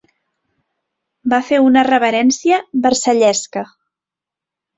Va fer una reverència versallesca.